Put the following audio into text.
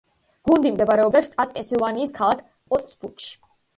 გუნდი მდებარეობდა შტატ პენსილვანიის ქალაქ პიტსბურგში.